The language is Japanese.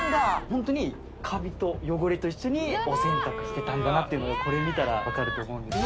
ホントにカビと汚れと一緒にお洗濯してたんだなっていうのがこれ見たら分かると思うんです